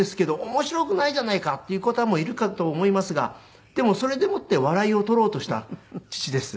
「面白くないじゃないか」って言う方もいるかと思いますがでもそれでもって笑いを取ろうとした父です。